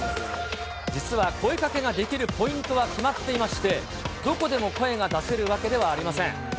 実は声掛けができるポイントは決まっていまして、どこでも声が出せるわけではありません。